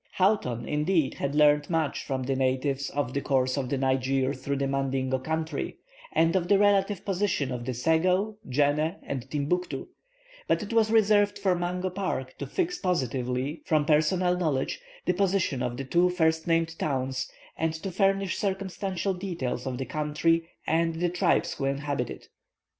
Houghton, indeed, had learned much from the natives of the course of the Niger through the Mandingo country, and of the relative positions of Sego, Djennéh, and Timbuctoo; but it was reserved for Mungo Park to fix positively, from personal knowledge, the position of the two first named towns, and to furnish circumstantial details of the country, and the tribes who inhabit it.